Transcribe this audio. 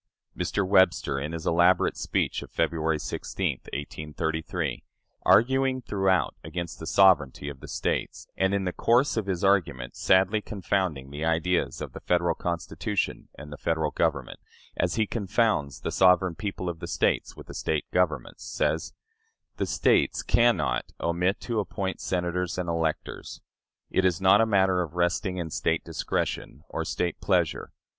Mr. Webster, in his elaborate speech of February 16, 1833, arguing throughout against the sovereignty of the States, and in the course of his argument sadly confounding the ideas of the Federal Constitution and the Federal Government, as he confounds the sovereign people of the States with the State governments, says: "The States can not omit to appoint Senators and electors. It is not a matter resting in State discretion or State pleasure....